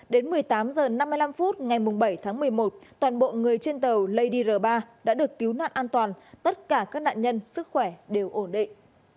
đến một mươi tám h năm mươi năm phút ngày bảy tháng một mươi một toàn bộ người trên tàu ledr ba đã được cứu nạn an toàn tất cả các nạn nhân sức khỏe đều ổn định